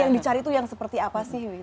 yang dicari itu yang seperti apa sih